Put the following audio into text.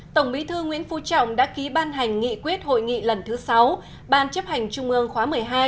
tổng bí thư nguyễn phú trọng đã ký ban hành nghị quyết hội nghị lần thứ sáu ban chấp hành trung ương khóa một mươi hai